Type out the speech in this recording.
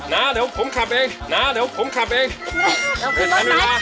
นะเดี๋ยวผมขับเองน้าเดี๋ยวผมขับเองเดี๋ยวมา